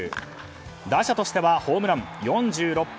打者としてはホームラン４６本。